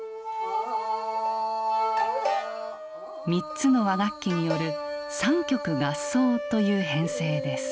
３つの和楽器による三曲合奏という編成です。